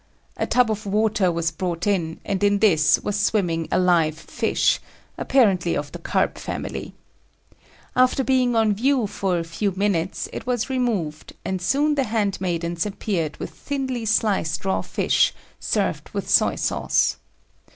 A tub of water was brought in and in this was swimming a live fish, apparently of the carp family. After being on view for a few minutes it was removed and soon the handmaidens appeared with thinly sliced raw fish, served with soy sauce.